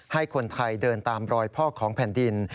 ให้คนไทยเดินตามรอยพ่อของแผ่นดิน